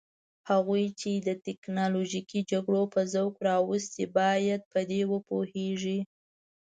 هغوی چې د تکنالوژیکي جګړو په ذوق راوستي باید په دې وپوهیږي.